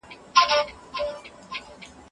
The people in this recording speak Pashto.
خپل کاروبار مې په خورا دقت پرمخ یووړ.